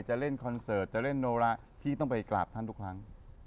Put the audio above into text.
จะเล่นคอนเสิร์ตจะเล่นโนระพี่ต้องไปกราบท่านทุกครั้ง